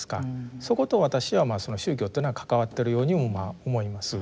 そこと私は宗教っていうのは関わっているようにも思います。